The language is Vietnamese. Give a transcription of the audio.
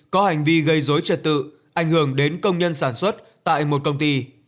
có hành vi gây dối trật tự ảnh hưởng đến công nhân sản xuất tại một công ty